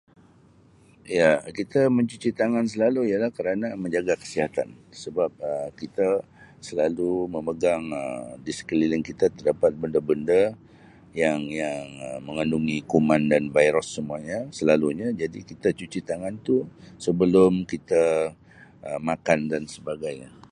Ya, Um kita mencuci tangan selalu ialah kerana menjaga kesihatan sebab Um kita selalu memegang Um di sekeliling kita terdapat benda-benda yang-yang Um mengandungi kuman dan virus semuanya selalunya jadi kita cuci tangan tu sebelum kita Um makan dan sebagainya.